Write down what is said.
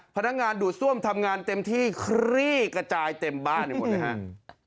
พนักงานดูดซ่วมทำงานเต็มที่ครีกกระจายเต็มบ้าน